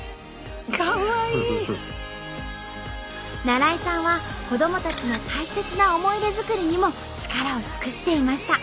那良伊さんは子どもたちの大切な思い出作りにも力を尽くしていました。